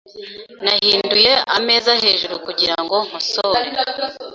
Nahinduye ameza hejuru kugirango nkosore.